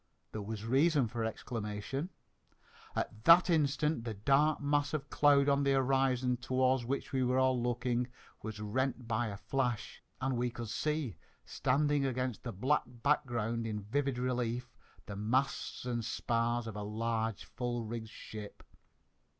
There was reason for exclamation. At that instant the dark mass of cloud on the horizon, towards which we were all looking, was rent by a flash, and we could see, standing against the black background in vivid relief, the masts and spars of a large full rigged ship.